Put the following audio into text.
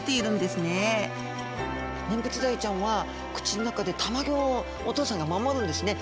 スタジオネンブツダイちゃんは口の中で卵をお父さんが守るんですね。